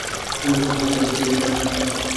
زه له تجربې زده کړه کوم.